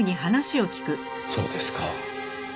そうですか。